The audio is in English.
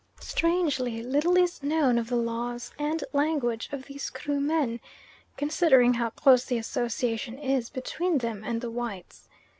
Strangely little is known of the laws and language of these Krumen, considering how close the association is between them and the whites.